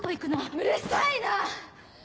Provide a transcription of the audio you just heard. うるさいな！